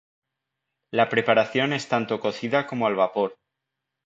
La preparación es tanto cocida como al vapor.